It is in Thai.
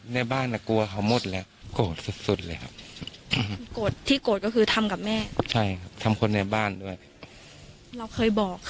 เราเคยบอกเคยอะไรของแม่